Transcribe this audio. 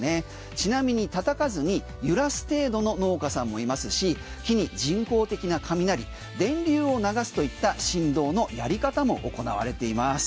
ちなみにたたかずに揺らす程度の農家さんもいますし木に人工的な雷電流を流すといった振動のやり方も行われてます。